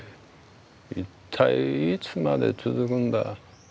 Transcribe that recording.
一体いつまで続くんだ。